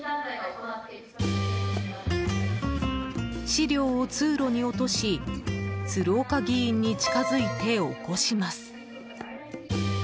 資料を通路に落とし鶴岡議員に近づいて起こします。